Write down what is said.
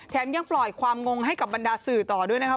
ยังปล่อยความงงให้กับบรรดาสื่อต่อด้วยนะครับ